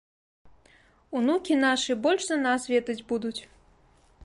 Унукі нашы больш за нас ведаць будуць.